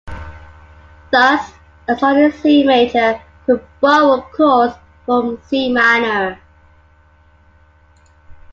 Thus, a song in C Major could "borrow" chords from c minor.